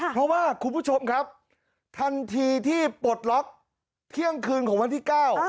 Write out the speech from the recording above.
เพราะว่าคุณผู้ชมครับทันทีที่ปลดล็อกเที่ยงคืนของวันที่๙